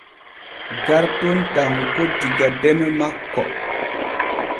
Garton tanko diga deme manko.